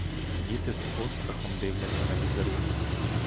Діти з острахом дивляться на візерунок.